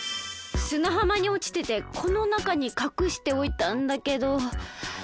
すなはまにおちててこのなかにかくしておいたんだけど。